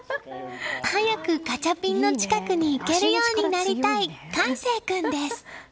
早くガチャピンの近くに行けるようになりたい魁星君です。